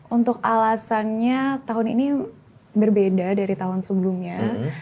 untuk alasannya tahun ini berbeda dari tahun sebelumnya